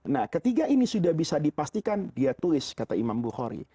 nah ketiga ini sudah bisa dipastikan dia tulis kata imam bukhori